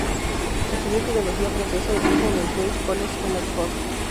Estudió filología francesa y rusa en el Queen's College en Oxford.